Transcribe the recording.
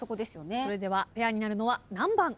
それではペアになるのは何番？